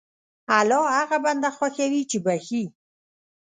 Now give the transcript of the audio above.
الله هغه بنده خوښوي چې بخښي.